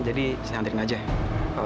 jadi saya ngantriin aja